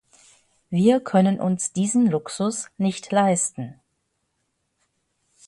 Wir können uns diesen Luxus nicht leisten.